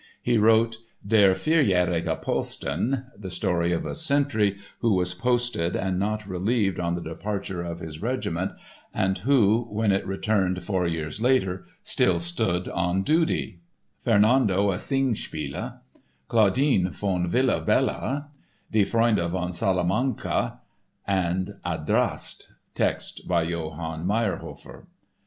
He wrote Der vierjährige Posten (the story of a sentry who was posted and not relieved on the departure of his regiment and who, when it returned four years later, still stood on duty); Fernando, a Singspiel; Claudine von Villa Bella; Die Freunde von Salamanka and Adrast (texts by Johann Mayrhofer).